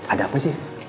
ada apa sih